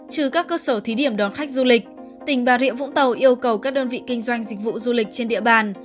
trừ các cơ sở thí điểm đón khách du lịch tỉnh bà rịa vũng tàu yêu cầu các đơn vị kinh doanh dịch vụ du lịch trên địa bàn